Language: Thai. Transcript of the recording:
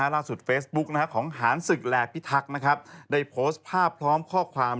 เฟซบุ๊กของหานศึกแลพิทักษ์ได้โพสต์ภาพพร้อมข้อความ